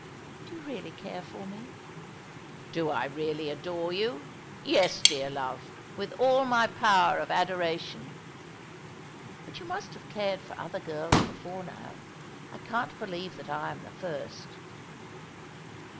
*' Do you really care for me ?"" Do I really adore you ? Yes, dear love. With all my power of adoration." " But you must have cared for other girls before now. I can't believe that I am the first."